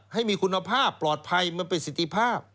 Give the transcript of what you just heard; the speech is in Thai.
ให้มีคุณภาพปลอดภัยมันเป็นสิทธิภาพ